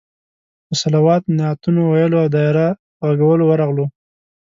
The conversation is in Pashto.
په صلوات، نعتونو ویلو او دایره غږولو ورغلو.